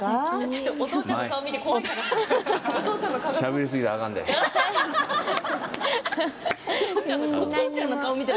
ちょっとお父ちゃんの顔を見て。